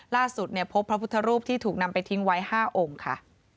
พบพระพุทธรูปที่ถูกนำไปทิ้งไว้๕องค์ค่ะ